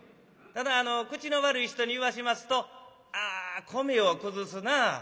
ただあの口の悪い人に言わしますと「ああ米を崩すなあ。